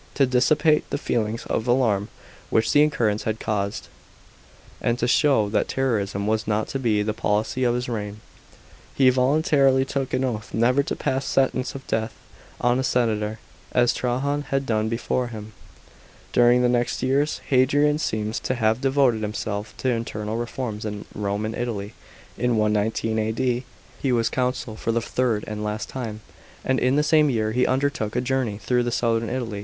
To dissipate the feelings of alarm which the occurrence had caused, and to show that terrorism was not to be the policy of his reign, he voluntarily took an oath never to pass sentence of death on a senator, as Trajan had done before him. During the next years, Hadrian seems to have devoted himself to internal reforms in Rome and Italy. In 119 A.D. he was consul for the third, and last time, and in the same year he undertook a journey through southern Italy.